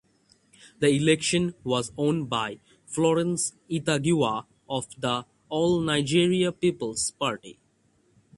The election was won by Florence Ita Giwa of the All Nigeria Peoples Party.